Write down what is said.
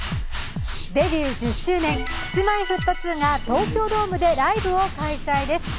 デビュー１０周年、Ｋｉｓ−Ｍｙ−Ｆｔ２が東京ドームでライブを開催です。